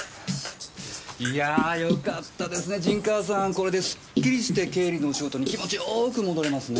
これですっきりして経理のお仕事に気持ち良く戻れますね。